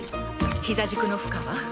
膝軸の負荷は？